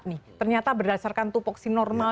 nih ternyata berdasarkan tupoksi normal